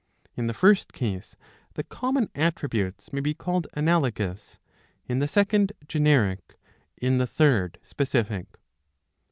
In the first case the common attributes may be called analogous, in the second generic, in the third specific.